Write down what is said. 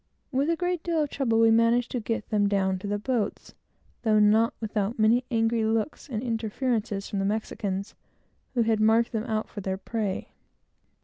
With a great deal of trouble, we managed to get them down to the boats, though not without many angry looks and interferences from the Spaniards, who had marked them out for their prey.